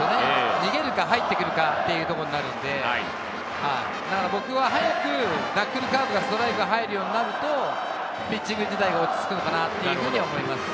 逃げるか入ってくるかということになるので、だから僕は早くナックルカーブがストライク入るようになると、ピッチング自体が落ち着くのかなというふうに思います。